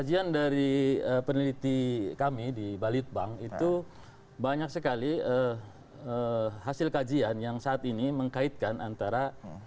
jadi peneliti kami di bali utbank itu banyak sekali hasil kajian yang saat ini mengkaitkan antara